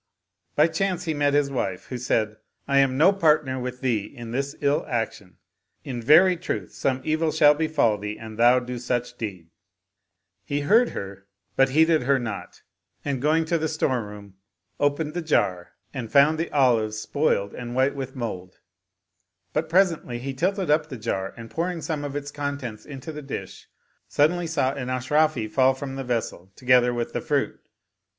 By chance he met his wife who said, " I am no partner with thee in this ill action : in very truth some evil shall befall thee an thou do such deed." He heard her but heeded her not ; and, going to the store room .opened the jar and found the olives spoiled and white 127 Oriental Mystery Stories with mold ; but presently he tilted up the jar and pouring some of its contents into the dish, suddenly saw an Ashrafi fall from the vessel together with the fruit.